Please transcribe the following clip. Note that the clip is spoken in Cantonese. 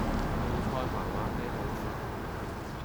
道菜麻麻地好食